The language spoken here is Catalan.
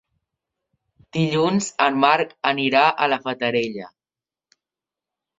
Dilluns en Marc anirà a la Fatarella.